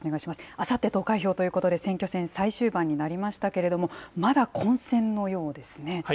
あさって投開票ということで、選挙戦、最終盤になりましたけれども、まだ混戦のようですね。